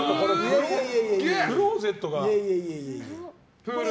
クローゼットが。